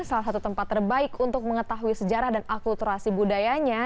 salah satu tempat terbaik untuk mengetahui sejarah dan akulturasi budayanya